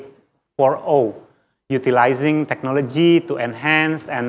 menggunakan teknologi untuk meningkatkan dan memperkembangkan